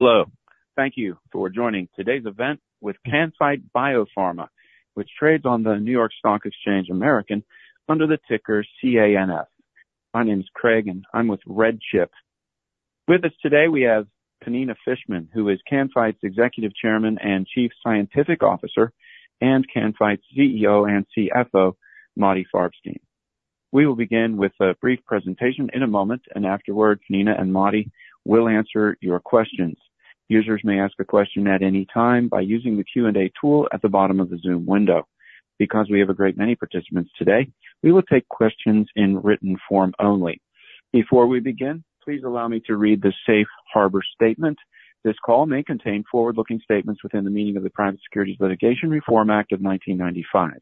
Hello. Thank you for joining today's event with Can-Fite BioPharma, which trades on the New York Stock Exchange American, under the ticker CANF. My name is Craig, and I'm with RedChip. With us today, we have Pnina Fishman, who is Can-Fite's Executive Chairman and Chief Scientific Officer, and Can-Fite's CEO and CFO, Motti Farbstein. We will begin with a brief presentation in a moment, and afterward, Pnina and Motti will answer your questions. Users may ask a question at any time by using the Q&A tool at the bottom of the Zoom window. Because we have a great many participants today, we will take questions in written form only. Before we begin, please allow me to read the Safe Harbor Statement. This call may contain forward-looking statements within the meaning of the Private Securities Litigation Reform Act of 1995.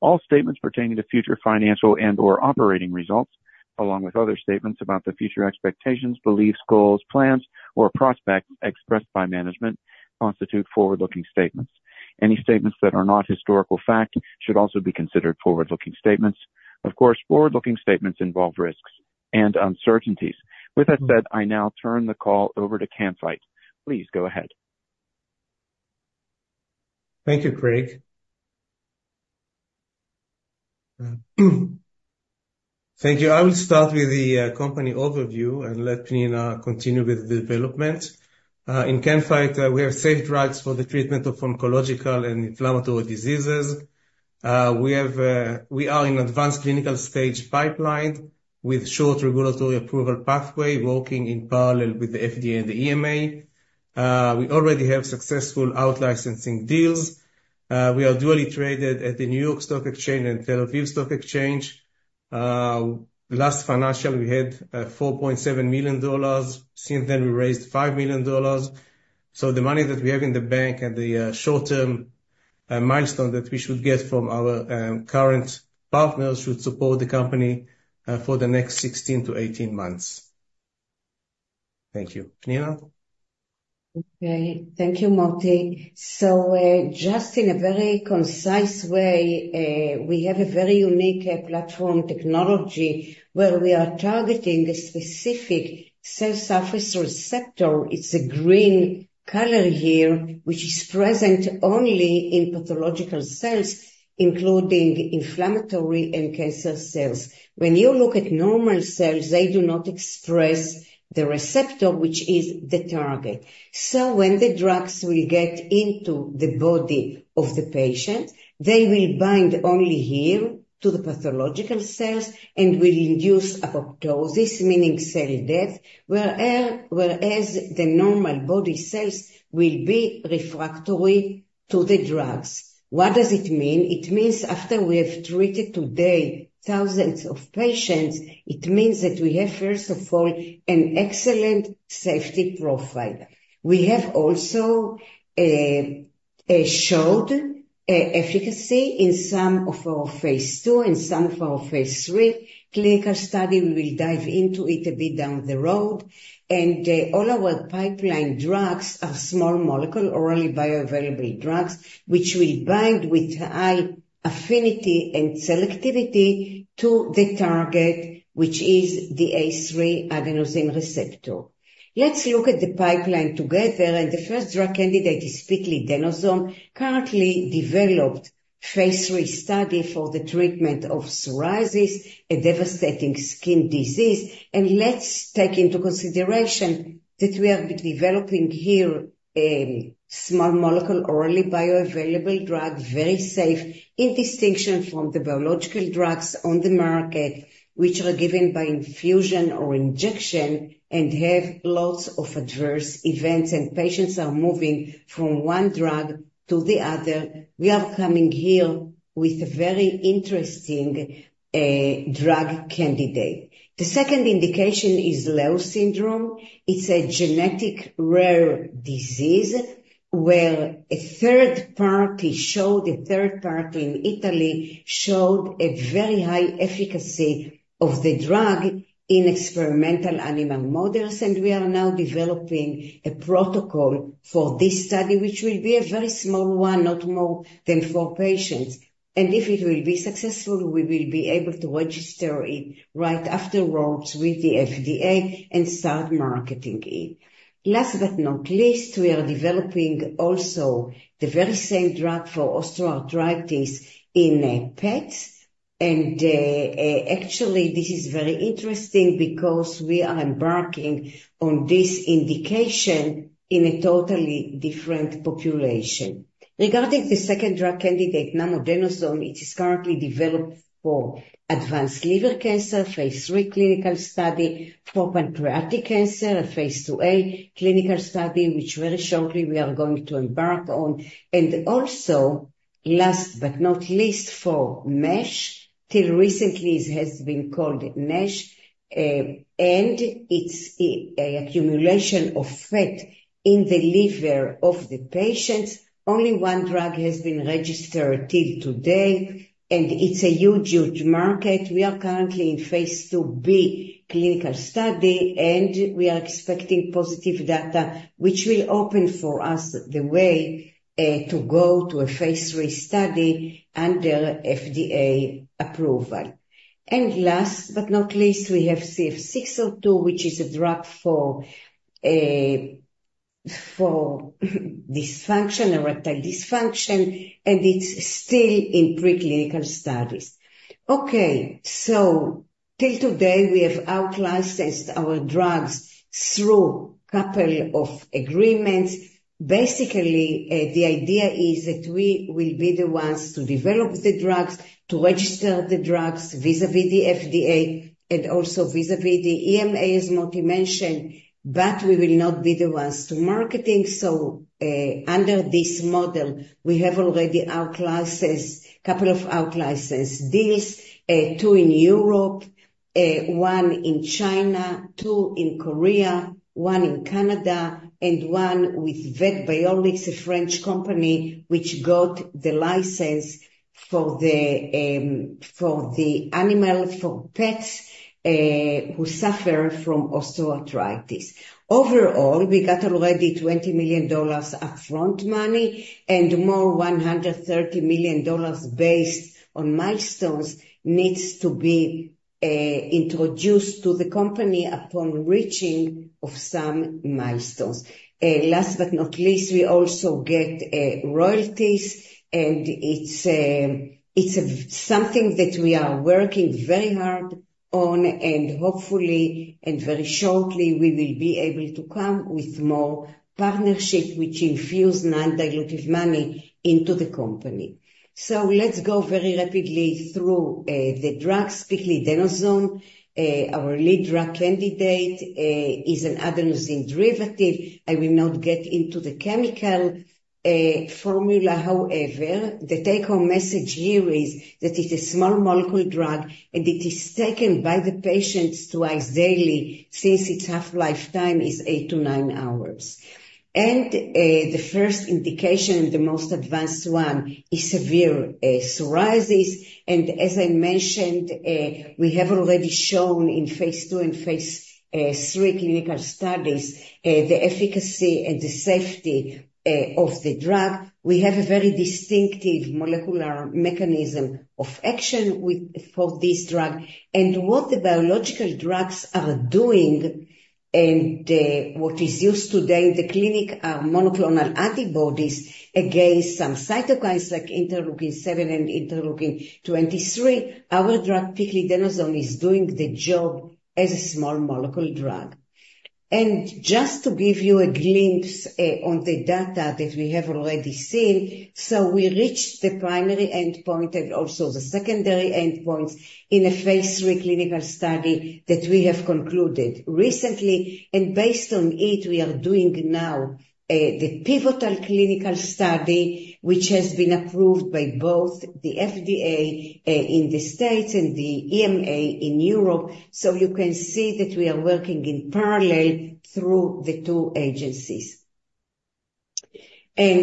All statements pertaining to future financial and/or operating results, along with other statements about the future expectations, beliefs, goals, plans, or prospects expressed by management, constitute forward-looking statements. Any statements that are not historical fact should also be considered forward-looking statements. Of course, forward-looking statements involve risks and uncertainties. With that said, I now turn the call over to Can-Fite. Please go ahead. Thank you, Craig. Thank you. I will start with the company overview and let Pnina continue with the development. In Can-Fite, we have safe drugs for the treatment of oncological and inflammatory diseases. We are in advanced clinical stage pipeline with a short regulatory approval pathway, working in parallel with the FDA and the EMA. We already have successful out-licensing deals. We are dually traded at the New York Stock Exchange and Tel Aviv Stock Exchange. Last financial, we had $4.7 million. Since then, we raised $5 million. So the money that we have in the bank and the short-term milestone that we should get from our current partners should support the company for the next 16-18 months. Thank you. Pnina? Okay. Thank you, Motti. So just in a very concise way, we have a very unique platform technology where we are targeting a specific cell surface receptor. It's a green color here, which is present only in pathological cells, including inflammatory and cancer cells. When you look at normal cells, they do not express the receptor, which is the target. So when the drugs will get into the body of the patient, they will bind only here to the pathological cells and will induce apoptosis, meaning cell death, whereas the normal body cells will be refractory to the drugs. What does it mean? It means after we have treated today thousands of patients, it means that we have, first of all, an excellent safety profile. We have also showed efficacy in some of our phase two and some of our phase three clinical studies. We will dive into it a bit down the road. And all our pipeline drugs are small molecule, orally bioavailable drugs, which will bind with high affinity and selectivity to the target, which is the A3 adenosine receptor. Let's look at the pipeline together. And the first drug candidate is Piclidenoson, currently developed phase III study for the treatment of psoriasis, a devastating skin disease. And let's take into consideration that we are developing here small molecule, orally bioavailable drug, very safe, in distinction from the biological drugs on the market, which are given by infusion or injection and have lots of adverse events, and patients are moving from one drug to the other. We are coming here with a very interesting drug candidate. The second indication is Lowe syndrome. It's a genetic rare disease where a third party showed, a third party in Italy showed a very high efficacy of the drug in experimental animal models, and we are now developing a protocol for this study, which will be a very small one, not more than four patients, and if it will be successful, we will be able to register it right afterwards with the FDA and start marketing it. Last but not least, we are developing also the very same drug for osteoarthritis in pets, and actually, this is very interesting because we are embarking on this indication in a totally different population. Regarding the second drug candidate, Namodenoson, it is currently developed for advanced liver cancer, phase three clinical study, for pancreatic cancer, a phase two A clinical study, which very shortly we are going to embark on. Also, last but not least, for MASH, till recently it has been called NASH, and it's an accumulation of fat in the liver of the patients. Only one drug has been registered till today, and it's a huge, huge market. We are currently in phase IIb clinical study, and we are expecting positive data, which will open for us the way to go to a phase III study under FDA approval. Last but not least, we have CF602, which is a drug for dysfunction, erectile dysfunction, and it's still in preclinical studies. Okay. So till today, we have out-licensed our drugs through a couple of agreements. Basically, the idea is that we will be the ones to develop the drugs, to register the drugs vis-à-vis the FDA, and also vis-à-vis the EMA, as Motti mentioned, but we will not be the ones to marketing. Under this model, we have already out-licensed a couple of out-licensed deals, two in Europe, one in China, two in Korea, one in Canada, and one with Vetbiolix, a French company, which got the license for the animal for pets who suffer from osteoarthritis. Overall, we got already $20 million upfront money, and more $130 million based on milestones needs to be introduced to the company upon reaching of some milestones. Last but not least, we also get royalties, and it's something that we are working very hard on, and hopefully, and very shortly, we will be able to come with more partnership, which infuses non-dilutive money into the company. Let's go very rapidly through the drug. Piclidenoson, our lead drug candidate, is an adenosine derivative. I will not get into the chemical formula. However, the take-home message here is that it is a small molecule drug, and it is taken by the patients twice daily since its half-life time is eight-to-nine hours. And the first indication, the most advanced one, is severe psoriasis. And as I mentioned, we have already shown in phase two and phase three clinical studies the efficacy and the safety of the drug. We have a very distinctive molecular mechanism of action for this drug. And what the biological drugs are doing and what is used today in the clinic are monoclonal antibodies against some cytokines like Interleukin-17 and Interleukin-23. Our drug, Piclidenoson, is doing the job as a small molecule drug. Just to give you a glimpse on the data that we have already seen, so we reached the primary endpoint and also the secondary endpoints in a phase three clinical study that we have concluded recently. Based on it, we are doing now the pivotal clinical study, which has been approved by both the FDA in the States and the EMA in Europe. You can see that we are working in parallel through the two agencies. Now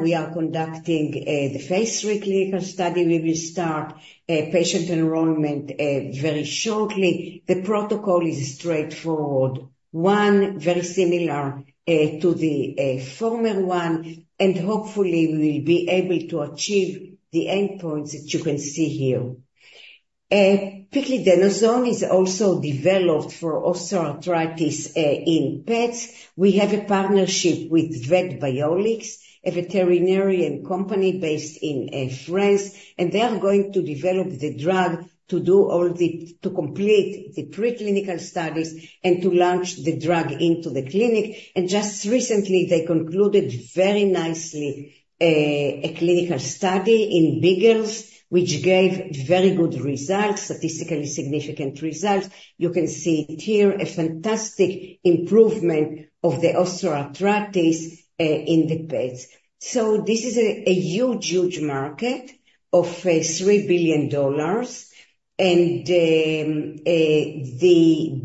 we are conducting the phase three clinical study. We will start patient enrollment very shortly. The protocol is straightforward, one, very similar to the former one, and hopefully, we will be able to achieve the endpoints that you can see here. Piclidenoson is also developed for osteoarthritis in pets. We have a partnership with Vetbiolix, a veterinarian company based in France, and they are going to develop the drug to complete the preclinical studies and to launch the drug into the clinic. And just recently, they concluded very nicely a clinical study in Beagles, which gave very good results, statistically significant results. You can see it here, a fantastic improvement of the osteoarthritis in the pets. So this is a huge, huge market of $3 billion, and the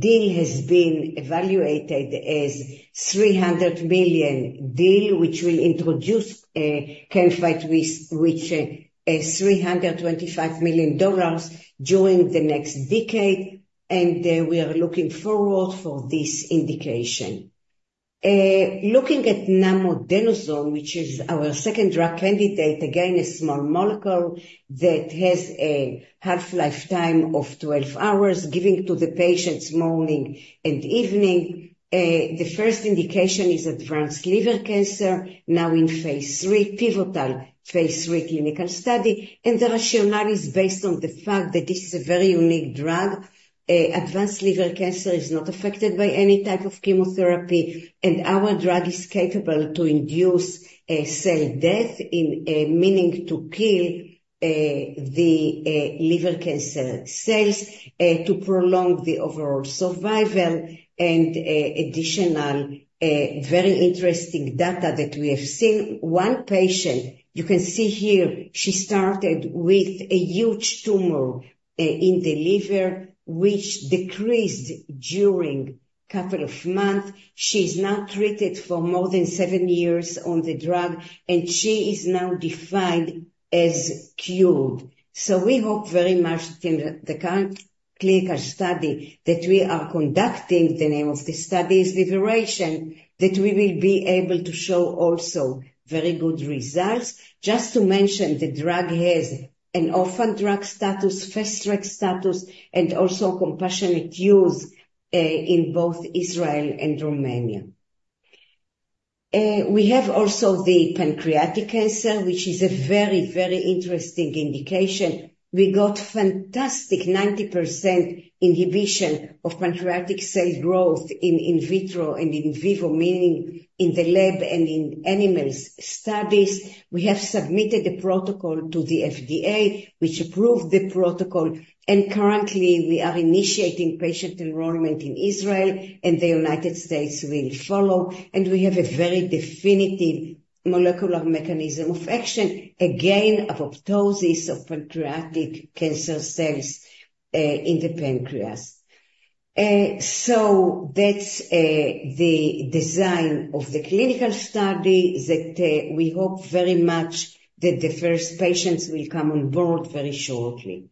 deal has been evaluated as a $300 million deal, which will introduce Can-Fite with $325 million during the next decade, and we are looking forward to this indication. Looking at Namodenoson, which is our second drug candidate, again, a small molecule that has a half-life time of 12 hours, giving to the patients morning and evening. The first indication is advanced liver cancer, now in phase three, pivotal phase three clinical study, and the rationale is based on the fact that this is a very unique drug. Advanced liver cancer is not affected by any type of chemotherapy, and our drug is capable to induce cell death, meaning to kill the liver cancer cells to prolong the overall survival, and additional very interesting data that we have seen. One patient, you can see here, she started with a huge tumor in the liver, which decreased during a couple of months. She is now treated for more than seven years on the drug, and she is now defined as cured, so we hope very much in the current clinical study that we are conducting, the name of the study is Liberation, that we will be able to show also very good results. Just to mention, the drug has an orphan drug status, fast track status, and also compassionate use in both Israel and Romania. We have also the pancreatic cancer, which is a very, very interesting indication. We got fantastic 90% inhibition of pancreatic cell growth in vitro and in vivo, meaning in the lab and in animal studies. We have submitted the protocol to the FDA, which approved the protocol. And currently, we are initiating patient enrollment in Israel, and the United States will follow. And we have a very definitive molecular mechanism of action, again, apoptosis of pancreatic cancer cells in the pancreas. So that's the design of the clinical study that we hope very much that the first patients will come on board very shortly.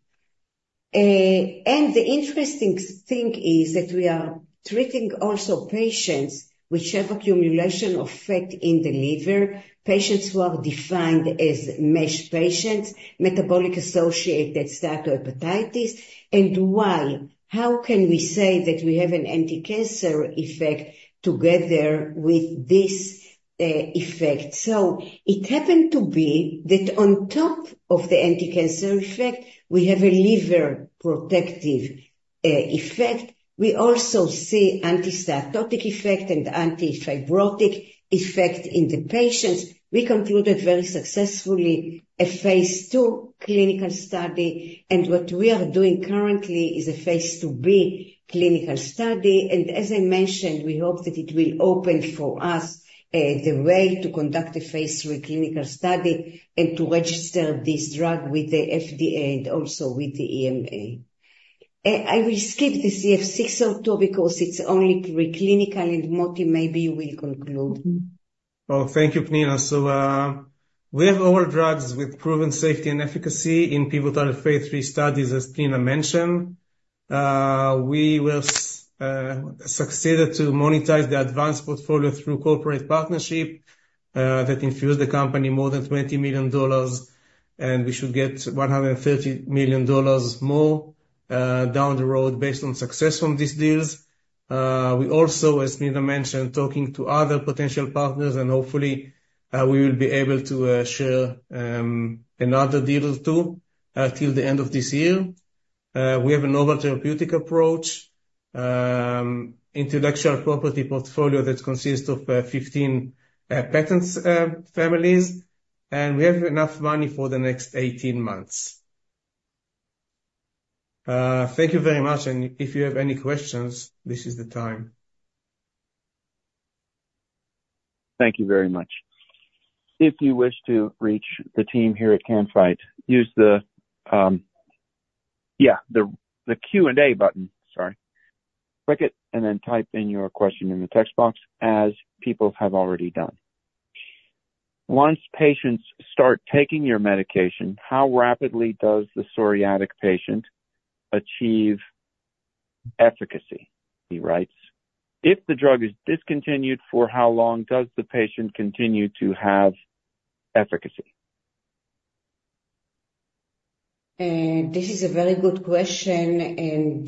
And the interesting thing is that we are treating also patients which have accumulation of fat in the liver, patients who are defined as MASH patients, metabolic associated steatohepatitis. And why? How can we say that we have an anti-cancer effect together with this effect? So it happened to be that on top of the anti-cancer effect, we have a liver protective effect. We also see anti-steatotic effect and anti-fibrotic effect in the patients. We concluded very successfully a phase two clinical study, and what we are doing currently is a phase two B clinical study. And as I mentioned, we hope that it will open for us the way to conduct a phase three clinical study and to register this drug with the FDA and also with the EMA. I will skip the CF602 because it's only preclinical, and Motti, maybe you will conclude. Oh, thank you, Pnina. So we have all drugs with proven safety and efficacy in pivotal phase three studies, as Pnina mentioned. We succeeded to monetize the advanced portfolio through a corporate partnership that infused the company more than $20 million, and we should get $130 million more down the road based on success from these deals. We also, as Pnina mentioned, are talking to other potential partners, and hopefully, we will be able to share another deal or two till the end of this year. We have a novel therapeutic approach, intellectual property portfolio that consists of 15 patent families, and we have enough money for the next 18 months. Thank you very much. And if you have any questions, this is the time. Thank you very much. If you wish to reach the team here at Can-Fite, use the, yeah, the Q&A button, sorry. Click it and then type in your question in the text box, as people have already done. Once patients start taking your medication, how rapidly does the psoriatic patient achieve efficacy? He writes, "If the drug is discontinued, for how long does the patient continue to have efficacy?" This is a very good question. And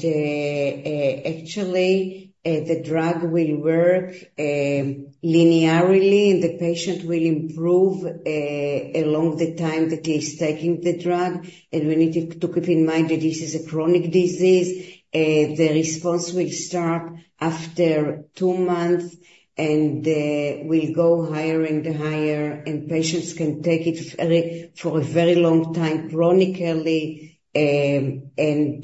actually, the drug will work linearly, and the patient will improve along the time that he is taking the drug. And we need to keep in mind that this is a chronic disease. The response will start after two months and will go higher and higher, and patients can take it for a very long time chronically and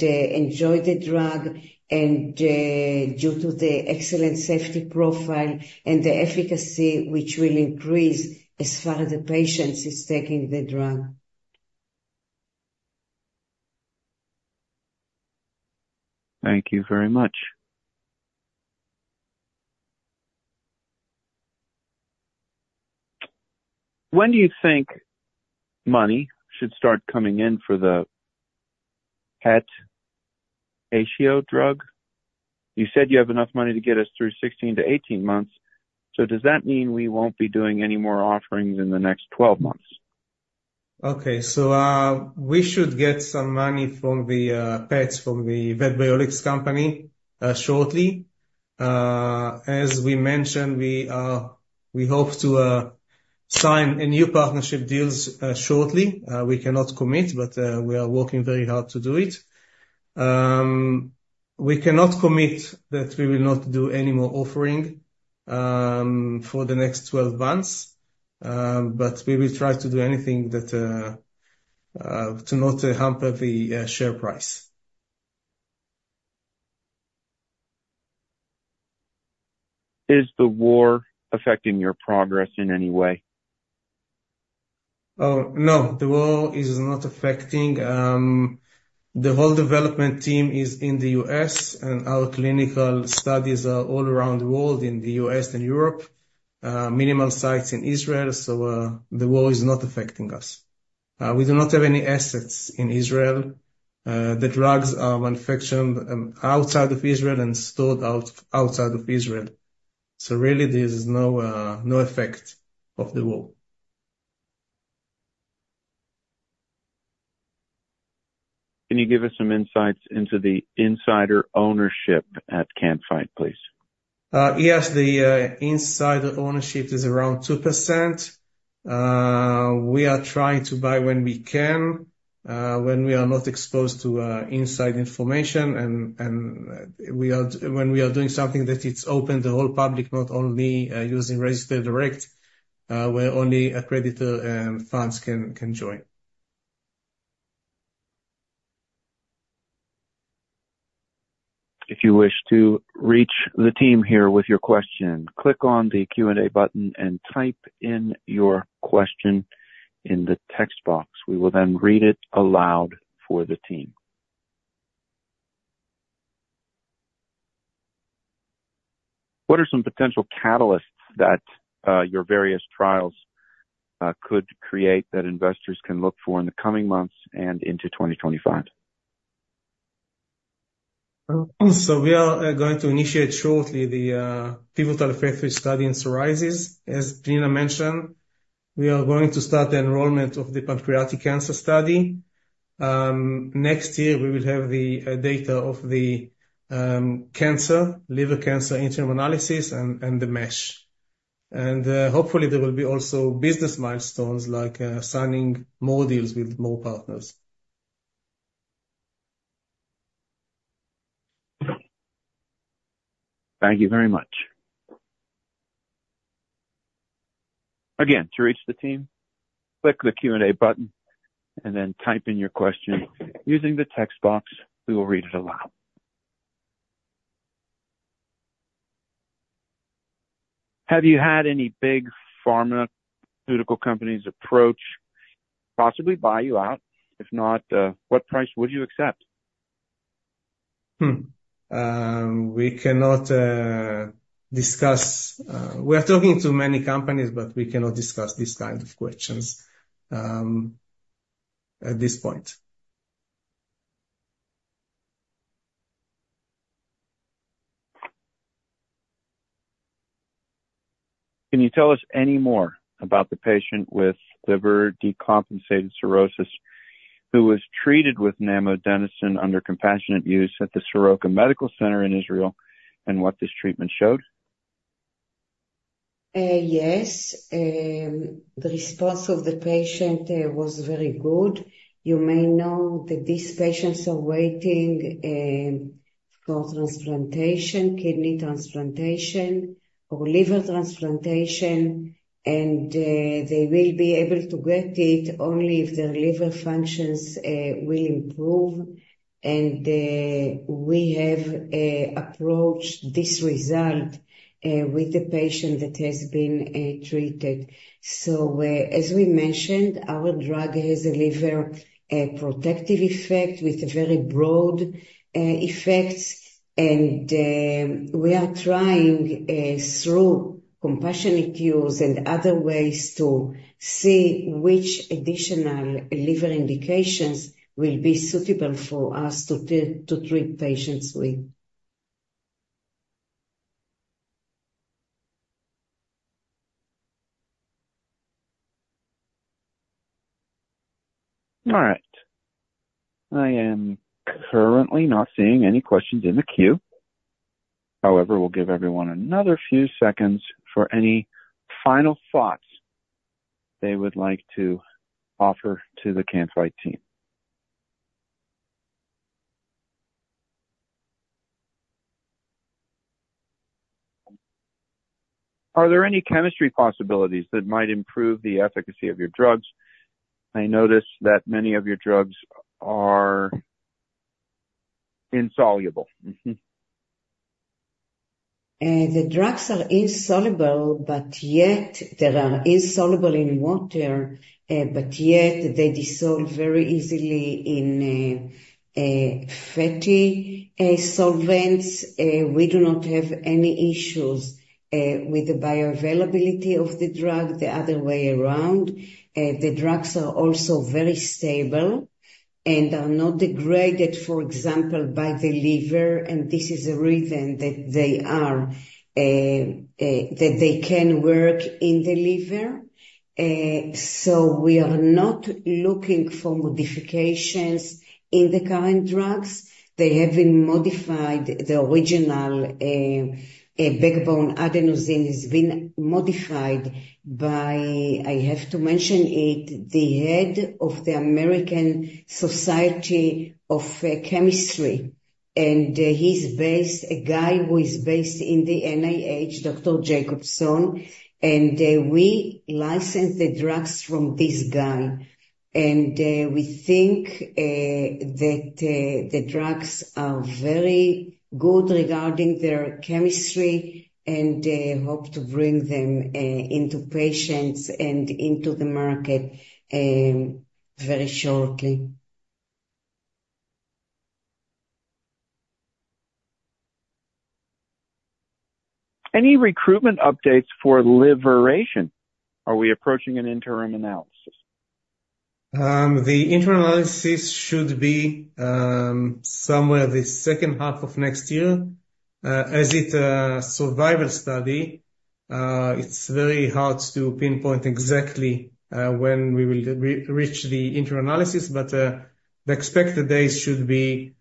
enjoy the drug. And due to the excellent safety profile and the efficacy, which will increase as far as the patient is taking the drug. Thank you very much. When do you think money should start coming in for the pet osteoarthritis drug? You said you have enough money to get us through 16-18 months. So does that mean we won't be doing any more offerings in the next 12 months? Okay. So we should get some money from the pets, from the Vetbiolix company shortly. As we mentioned, we hope to sign a new partnership deal shortly. We cannot commit, but we are working very hard to do it. We cannot commit that we will not do any more offering for the next 12 months, but we will try to do anything to not hamper the share price. Is the war affecting your progress in any way? Oh, no, the war is not affecting. The whole development team is in the U.S., and our clinical studies are all around the world in the U.S. and Europe, minimal sites in Israel. So the war is not affecting us. We do not have any assets in Israel. The drugs are manufactured outside of Israel and stored outside of Israel. So really, there is no effect of the war. Can you give us some insights into the insider ownership at Can-Fite, please? Yes, the insider ownership is around 2%. We are trying to buy when we can, when we are not exposed to insider information, and when we are doing something that it's open to the whole public, not only using registered direct, where only accredited funds can join. If you wish to reach the team here with your question, click on the Q&A button and type in your question in the text box. We will then read it aloud for the team. What are some potential catalysts that your various trials could create that investors can look for in the coming months and into 2025? So we are going to initiate shortly the pivotal phase III study in psoriasis. As Pnina mentioned, we are going to start the enrollment of the pancreatic cancer study. Next year, we will have the data of the cancer, liver cancer interim analysis, and the MASH. And hopefully, there will be also business milestones like signing more deals with more partners. Thank you very much. Again, to reach the team, click the Q&A button and then type in your question using the text box. We will read it aloud. Have you had any big pharmaceutical companies approach possibly buy you out? If not, what price would you accept? We cannot discuss. We are talking to many companies, but we cannot discuss these kinds of questions at this point. Can you tell us any more about the patient with liver decompensated cirrhosis who was treated with Namodenoson under compassionate use at the Soroka Medical Center in Israel and what this treatment showed? Yes. The response of the patient was very good. You may know that these patients are waiting for transplantation, kidney transplantation, or liver transplantation, and they will be able to get it only if their liver functions will improve, and we have approached this result with the patient that has been treated, so as we mentioned, our drug has a liver protective effect with very broad effects, and we are trying through compassionate use and other ways to see which additional liver indications will be suitable for us to treat patients with. All right. I am currently not seeing any questions in the queue. However, we'll give everyone another few seconds for any final thoughts they would like to offer to the Can-Fite team. Are there any chemistry possibilities that might improve the efficacy of your drugs? I noticed that many of your drugs are insoluble. The drugs are insoluble, but yet they are insoluble in water, but yet they dissolve very easily in fatty solvents. We do not have any issues with the bioavailability of the drug the other way around. The drugs are also very stable and are not degraded, for example, by the liver, and this is a reason that they can work in the liver. So we are not looking for modifications in the current drugs. They have been modified. The original backbone adenosine has been modified by, I have to mention it, the head of the American Chemical Society. And he's based, a guy who is based in the NIH, Dr. Jacobson. And we license the drugs from this guy. And we think that the drugs are very good regarding their chemistry and hope to bring them into patients and into the market very shortly. Any recruitment updates for liberation? Are we approaching an interim analysis? The interim analysis should be somewhere the second half of next year. As it's a survival study, it's very hard to pinpoint exactly when we will reach the interim analysis, but the expected days should be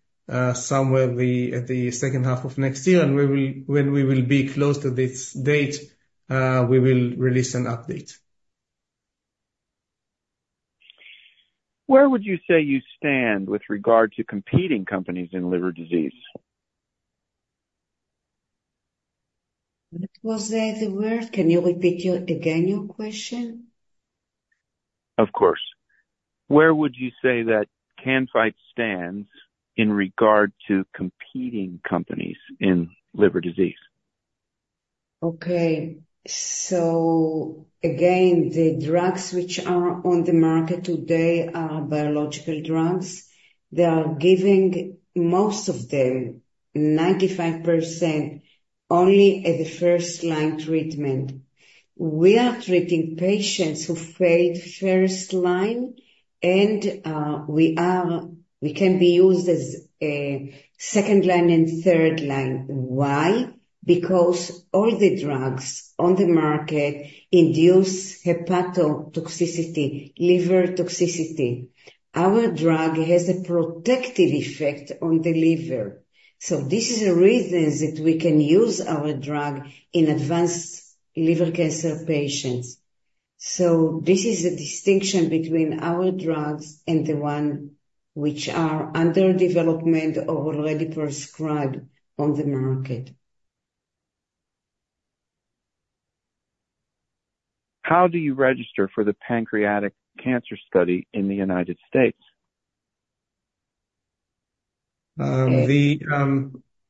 somewhere the second half of next year. And when we will be close to this date, we will release an update. Where would you say you stand with regard to competing companies in liver disease? What was the word? Can you repeat again your question? Of course. Where would you say that Can-Fite stands in regard to competing companies in liver disease? Okay. So again, the drugs which are on the market today are biological drugs. They are giving most of them, 95%, only at the first-line treatment. We are treating patients who failed first-line, and we can be used as second-line and third-line. Why? Because all the drugs on the market induce hepatotoxicity, liver toxicity. Our drug has a protective effect on the liver. So this is a reason that we can use our drug in advanced liver cancer patients. So this is a distinction between our drugs and the one which are under development or already prescribed on the market. How do you register for the pancreatic cancer study in the United States? The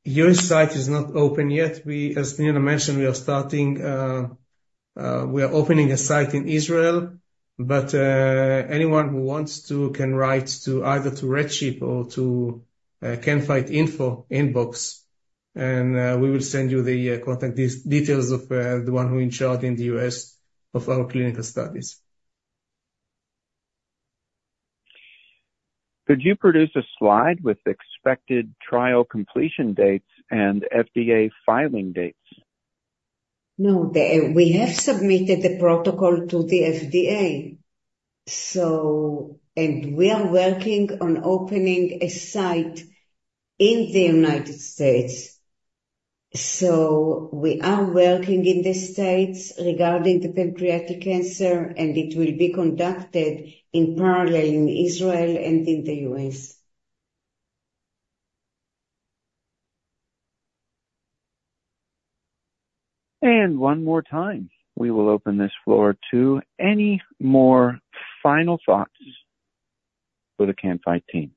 U.S. site is not open yet. As Pnina mentioned, we are opening a site in Israel, but anyone who wants to can write to either RedChip or to Can-Fite Info inbox, and we will send you the contact details of the one who is in charge in the US of our clinical studies. Could you produce a slide with expected trial completion dates and FDA filing dates? No, we have submitted the protocol to the FDA. We are working on opening a site in the United States. So we are working in the States regarding the pancreatic cancer, and it will be conducted in parallel in Israel and in the US. One more time, we will open this floor to any more final thoughts for the Can-Fite team.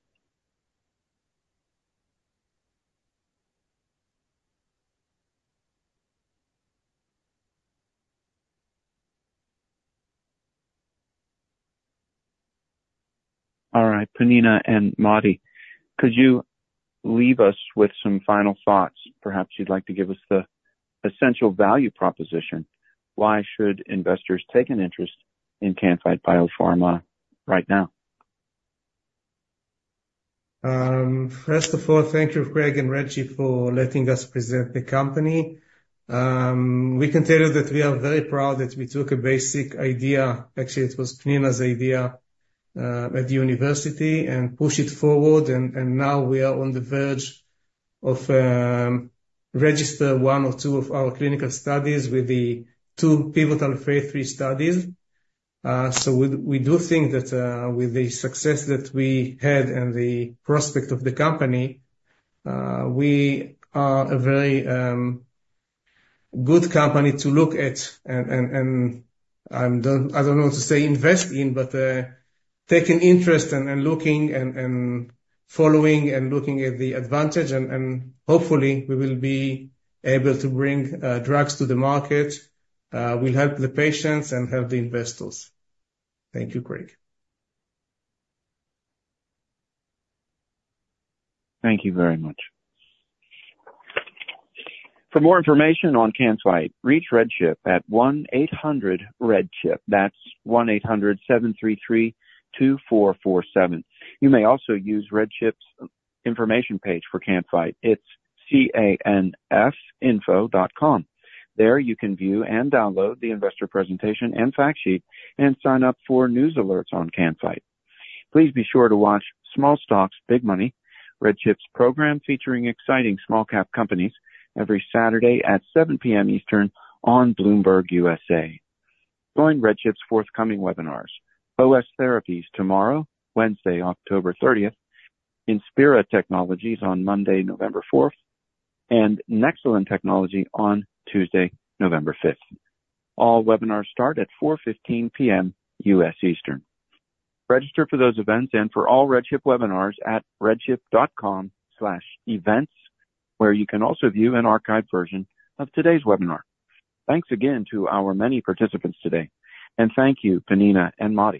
All right. Pnina and Motti, could you leave us with some final thoughts? Perhaps you'd like to give us the essential value proposition. Why should investors take an interest in Can-Fite BioPharma right now? First of all, thank you, Craig and RedChip, for letting us present the company. We can tell you that we are very proud that we took a basic idea, actually, it was Pnina's idea at the university, and pushed it forward, and now we are on the verge of registering one or two of our clinical studies with the two pivotal phase three studies. So we do think that with the success that we had and the prospect of the company, we are a very good company to look at and, I don't know what to say, invest in, but take an interest and looking and following and looking at the advantage, and hopefully, we will be able to bring drugs to the market, will help the patients, and help the investors. Thank you, Craig. Thank you very much. For more information on Can-Fite, reach RedChip at 1-800-REDCHIP. That's 1-800-733-2447. You may also use RedChip's information page for Can-Fite. It's canfiteinfo.com. There you can view and download the investor presentation and fact sheet and sign up for news alerts on Can-Fite. Please be sure to watch Small Stocks, Big Money, RedChip's program featuring exciting small-cap companies every Saturday at 7:00 P.M. Eastern on Bloomberg USA. Join RedChip's forthcoming webinars. OS Therapies tomorrow, Wednesday, October 30th. Inspira Technologies on Monday, November 4th, and Nexalin Technology on Tuesday, November 5th. All webinars start at 4:15 P.M. U.S. Eastern. Register for those events and for all RedChip webinars at redchip.com/events, where you can also view an archived version of today's webinar. Thanks again to our many participants today, and thank you, Pnina and Motti.